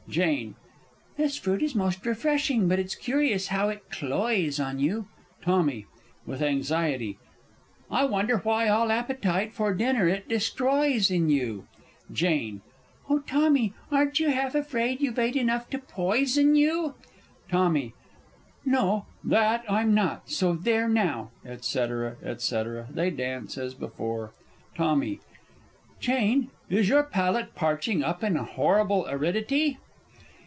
_ Jane. This fruit is most refreshing but it's curious how it cloys on you! Tommy (with anxiety). I wonder why all appetite for dinner it destroys in you! Jane. Oh, Tommy, aren't you half afraid you've ate enough to poison you? Tommy. No, that I'm not so there now! &c., &c. [They dance as before. Tommy. Jane, is your palate parching up in horrible aridity?